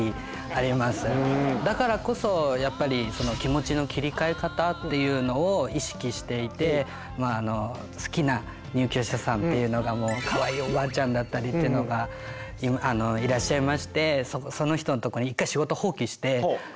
だからこそやっぱりその気持ちの切りかえ方っていうのを意識していて好きな入居者さんっていうのがもうかわいいおばあちゃんだったりってのがいらっしゃいましてその人のとこに行って。